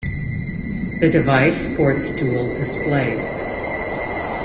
The device sports dual displays.